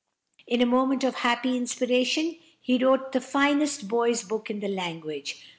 In a moment of happy inspiration, he wrote the finest boy's book in the language.